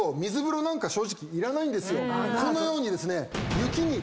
このようにですね。